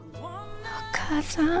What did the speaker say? お母さん。